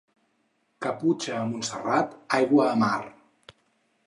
Caputxa a Montserrat, aigua a mar.